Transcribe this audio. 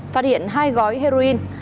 phát hiện hai gói heroin